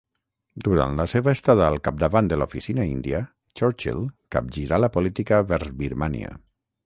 Durant la seva estada al capdavant de l'Oficina Índia, Churchill capgirà la política vers Birmània.